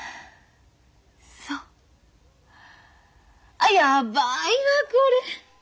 あっやばいわこれ。